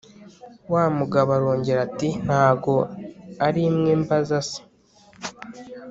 wamugabo arongera ati ntago arimwe mbaza se